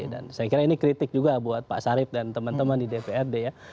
dan saya kira ini kritik juga buat pak sarif dan teman teman di dprd ya